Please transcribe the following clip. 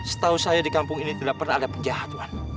setahu saya di kampung ini tidak pernah ada penjahat